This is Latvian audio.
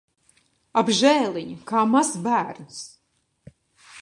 Apžēliņ! Kā mazs bērns.